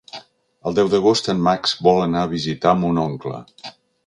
El deu d'agost en Max vol anar a visitar mon oncle.